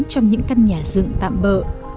trong những căn nhà dựng tạm bợ